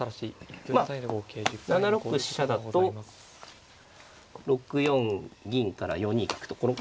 まあ７六飛車だと６四銀から４二角と。